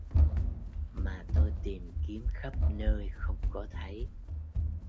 Mà tôi tìm kiếm khắp nơi không có thấy